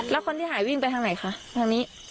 แล้วคนที่หายวิ่งไปทางไหนคะทางนี้